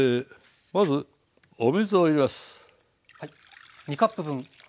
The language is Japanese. まずお水を入れます。